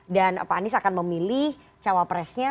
dan pak anies akan memilih cawapresnya